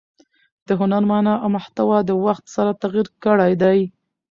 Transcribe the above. د هنر مانا او محتوا د وخت سره تغیر کړی دئ.